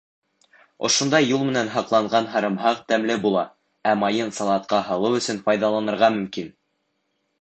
Ошондай юл менән һаҡланған һарымһаҡ тәмле була, ә майын салатҡа һалыу өсөн файҙаланырға мөмкин.